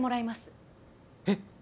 えっ？